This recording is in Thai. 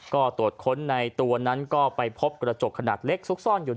ก็ตรวจค้นในตัวนั้นก็ไปพบกระจกขนาดเล็กซุกซ่อนอยู่